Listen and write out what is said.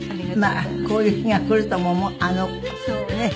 まあこういう日が来るともねっ。